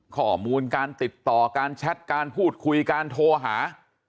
ข้อมูลการติดต่อการแชทการพูดคุยการโทรหา